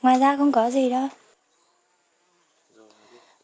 ngoài ra không có gì đâu